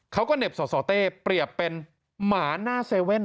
เหน็บสสเต้เปรียบเป็นหมาหน้าเซเว่น